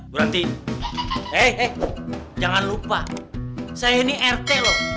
guranti eh eh jangan lupa saya ini rt loh